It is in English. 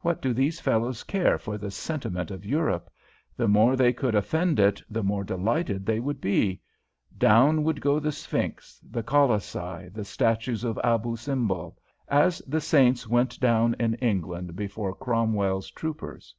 What do these fellows care for the sentiment of Europe? The more they could offend it the more delighted they would be. Down would go the Sphinx, the Colossi, the Statues of Abou Simbel, as the saints went down in England before Cromwell's troopers."